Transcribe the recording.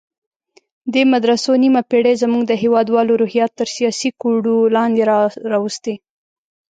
دې مدرسو نیمه پېړۍ زموږ د هېوادوالو روحیات تر سیاسي کوډو لاندې راوستي.